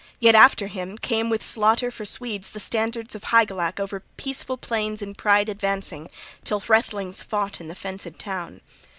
Yet after him came with slaughter for Swedes the standards of Hygelac o'er peaceful plains in pride advancing, till Hrethelings fought in the fenced town.